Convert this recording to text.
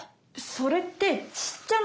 それってちっちゃな